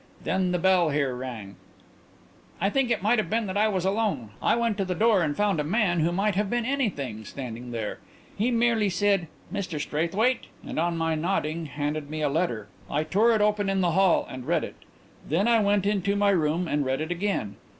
Then the bell here rang. "I think I have said that I was alone. I went to the door and found a man who might have been anything standing there. He merely said: 'Mr Straithwaite?' and on my nodding handed me a letter. I tore it open in the hall and read it. Then I went into my room and read it again.